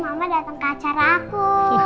mamanya dateng ke acara aku